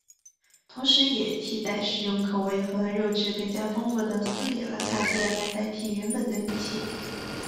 同时也替代使用口味和肉质更加丰富的斯里兰卡蟹来代替原本的泥蟹。